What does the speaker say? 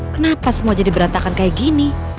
kenapa semua jadi berantakan kayak gini